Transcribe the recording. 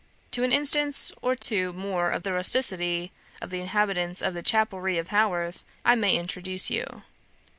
"To an instance or two more of the rusticity of the inhabitants of the chapelry of Haworth, I may introduce you.